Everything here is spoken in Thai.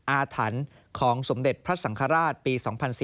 อาถรรพ์ของสมเด็จพระสังฆราชปี๒๔๙